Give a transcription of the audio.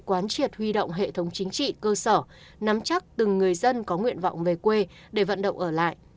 quán triệt huy động hệ thống chính trị cơ sở nắm chắc từng người dân có nguyện vọng về quê để vận động ở lại